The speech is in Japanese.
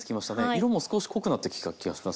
色も少し濃くなってきた気がします。